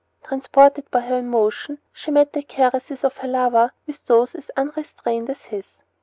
Transported by her emotion, she met the caresses of her lover with those as unrestrained as his.